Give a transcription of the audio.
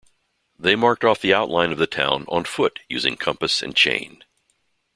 They marked off the outline of the town on foot using compass and chain.